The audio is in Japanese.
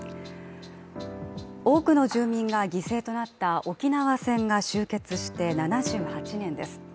多くの住民が犠牲となった沖縄戦が終結して７８年です。